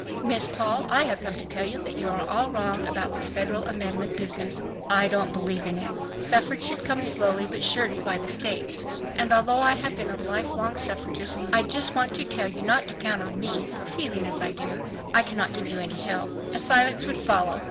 "Miss Paul, I have come to tell you that you are all wrong about this federal amendment business. I don't believe in it. Suffrage should come slowly but surely by the states. And although I have been a life long suffragist, I just want to tell you not to count on me, for feeling as I do, I cannot give you any help." A silence would follow.